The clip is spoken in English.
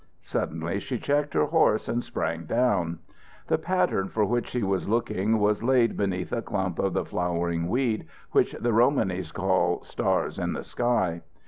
Suddenly she checked her horses and sprang down. The patteran for which she was looking was laid beneath a clump of the flowering weed which the Romanys call "stars in the sky."